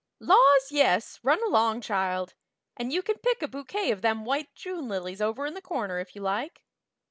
"Laws, yes, run along, child. And you can pick a bouquet of them white June lilies over in the corner if you like."